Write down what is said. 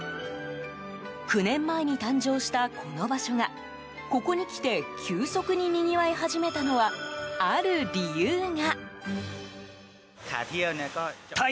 ９年前に誕生したこの場所がここにきて急速ににぎわい始めたのはある理由が。